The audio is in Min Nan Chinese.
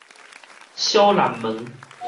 小南門